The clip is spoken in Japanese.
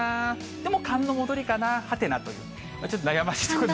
でも寒の戻りかなはてなと、ちょっと悩ましいところです。